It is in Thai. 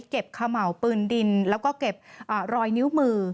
เขม่าวปืนดินแล้วก็เก็บรอยนิ้วมือ